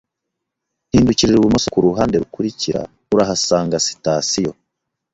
Hindukirira ibumoso kuruhande rukurikira, urahasanga sitasiyo.